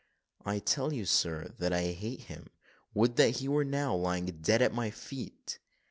"I tell you, sir, that I hate him would that he were now lying dead at my feet!"